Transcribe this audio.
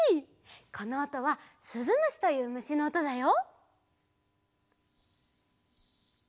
このおとはすずむしというむしのおとだよ。